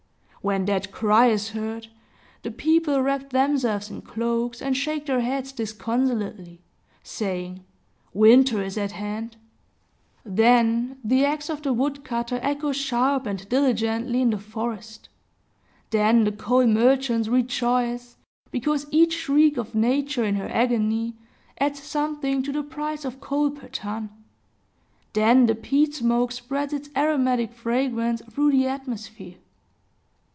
When that cry is heard, the people wrap themselves in cloaks, and shake their heads disconsolately, saying, "Winter is at hand!" Then the axe of the woodcutter echoes sharp and diligently in the forest; then the coal merchants rejoice, because each shriek of Nature in her agony adds something to the price of coal per ton; then the peat smoke spreads its aromatic fragrance through the atmosphere.